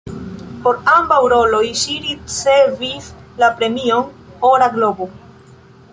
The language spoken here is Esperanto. Por ambaŭ roloj ŝi ricevis la premion "Ora globo".